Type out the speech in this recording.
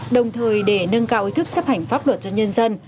đồng thời để nâng cao ý thức chấp hành pháp luật cho nhân dân